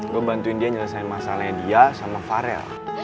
gue bantuin dia nyelesain masalahnya dia sama farel